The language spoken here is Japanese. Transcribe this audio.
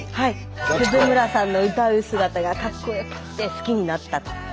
鈴村さんの歌う姿がかっこよくって好きになったと。